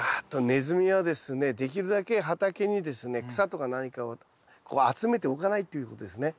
ネズミはですねできるだけ畑にですね草とか何かをこう集めておかないっていうことですね。